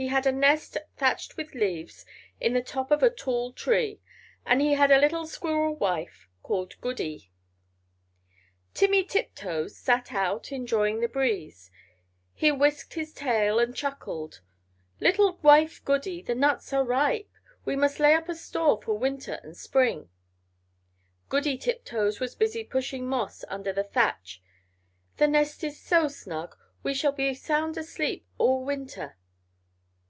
He had a nest thatched with leaves in the top of a tall tree; and he had a little squirrel wife called Goody. Timmy Tiptoes sat out, enjoying the breeze; he whisked his tail and chuckled "Little wife Goody, the nuts are ripe; we must lay up a store for winter and spring." Goody Tiptoes was busy pushing moss under the thatch "The nest is so snug, we shall be sound asleep all winter."